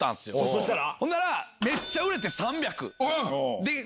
そしたら？